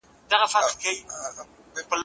نیکه په نکل، ماشومان په اورېدو ستړي سول